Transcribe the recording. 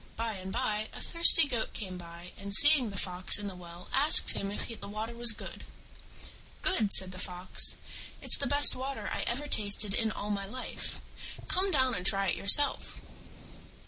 By and by a thirsty Goat came by, and seeing the Fox in the well asked him if the water was good. "Good?" said the Fox, "it's the best water I ever tasted in all my life. Come down and try it yourself."